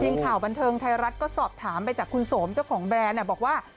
ยิ่งข่าวบันเทิงไทยรัตย์ก็สอบถามไปจากคุณโสมช่องแบรนด์บอกว่า